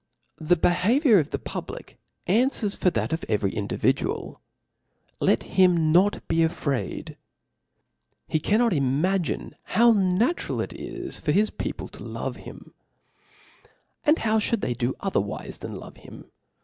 'The beha? viour of ih? public anfwcr^ for th^ of evcFy iodividuaL .^ Let him npt be afraid :. he cannot: , imagine bow natural it. is. for his people lolove hicn. Aiid how (hould they do otherwiic than, love him